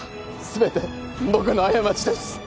全て僕の過ちです。